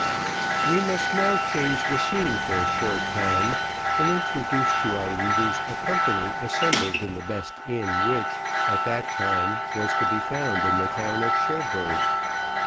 We must now change the scene for a short time, and introduce to our readers a company assembled in the best inn which, at that time, was to be found in the town of Cherbourg.